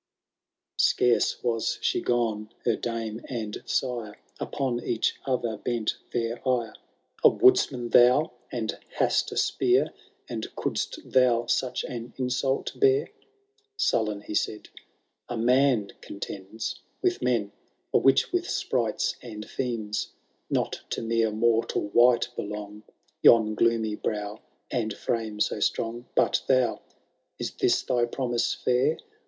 XIV. Scarce was she gone, her damo and sire Upon each other bent their ire ;^A woodsman thou, and hast a spear. And couldst thou such an insult bear ?" Sullen he said, *•*• A man contends With men, a witch with sprites and fiends *, Kot to mere mortal wight belong Yon gloomy brow and frame so strong. But thou ^ is this thy promise fair.